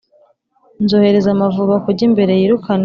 Nzohereza amavubi akujye imbere yirukane